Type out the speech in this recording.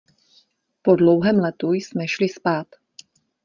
Po dlouhém letu jsme šli spát.